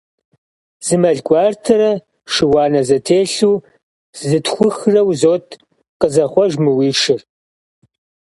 Зы мэл гуартэрэ шы уанэ зэтелъу зытхухрэ узот, къызэхъуэж мы уи шыр!